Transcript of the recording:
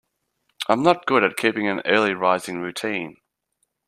I'm no good at keeping an early rising routine.